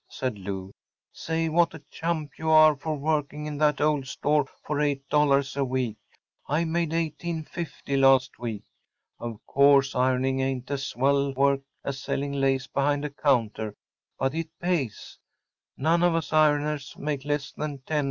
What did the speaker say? ‚ÄĚ said Lou. “Say, what a chump you are for working in that old store for $8 a week! I made $18.50 last week. Of course ironing ain’t as swell work as selling lace behind a counter, but it pays. None of us ironers make less than $10.